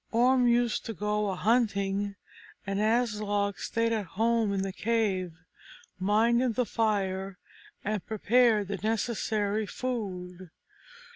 Orm used to go a hunting, and Aslog stayed at home in the cave, minded the fire, and prepared the necessary food.